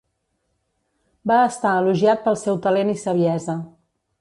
Va estar elogiat pel seu talent i saviesa.